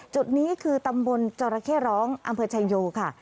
จุดนี้คือตำบลจรเข้ร้องอำเภอชายโยค่ะ